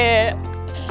gak ada gue